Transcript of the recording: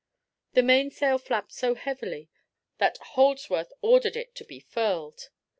The mainsail flapped so heavily that Holdsworth ordered it to be furled.